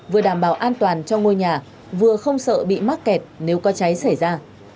vừa đảm bảo an toàn cho ngôi nhà vừa không sợ bị mắc kẹt nếu có cháy xảy ra